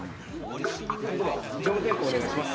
では乗務点呼をお願いします。